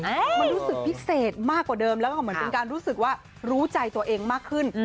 มันรู้สึกพิเศษมากกว่าเดิมแล้วก็เหมือนเป็นการรู้สึกว่ารู้ใจตัวเองมากขึ้น